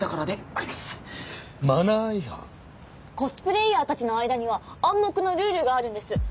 コスプレイヤーたちの間には暗黙のルールがあるんです。